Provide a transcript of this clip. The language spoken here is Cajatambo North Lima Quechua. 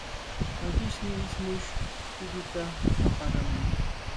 Mayushi ismush kulluta aparamun.